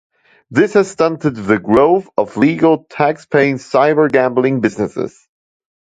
This has stunted the growth of legal, tax-paying cyber gambling businesses.